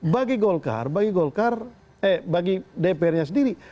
bagi golkar bagi dprnya sendiri